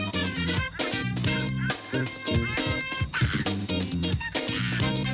สวัสดีค่ะข้าวใส่ไข่สวัสดีค่ะ